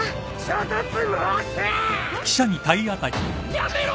やめろ！